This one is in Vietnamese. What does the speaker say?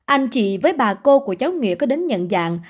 anh chị với bà cô của cháu nghĩa có đến nhận dạng